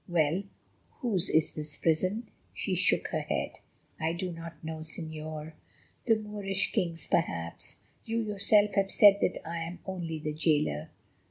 Well, whose is this prison?" She shook her head. "I do not know, Señor. The Moorish king's perhaps—you yourself have said that I am only the jailer."